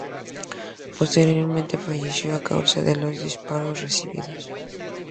Posteriormente falleció a causa de los disparos recibidos.